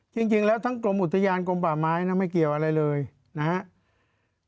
จริงแล้วทั้งกรมอุทยานกรมป่าไม้นะไม่เกี่ยวอะไรเลยนะครับ